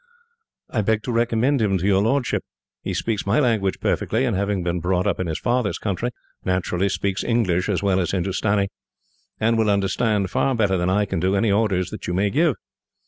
"I beg to recommend him to your lordship. He speaks my language perfectly, and having been brought up in his father's country, naturally speaks English as well as Hindustani; and will understand, far better than I can do, any orders that you may give.